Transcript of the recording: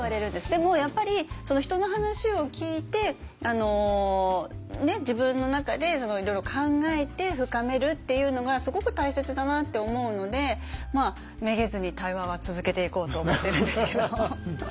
でもやっぱり人の話を聞いてあの自分の中でいろいろ考えて深めるっていうのがすごく大切だなって思うのでめげずに対話は続けていこうと思ってるんですけど。